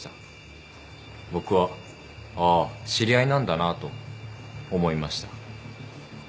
僕はああ知り合いなんだなと思いました。